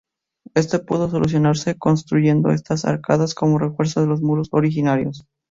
Esto pudo solucionarse construyendo estas arcadas como refuerzo de los muros originarios.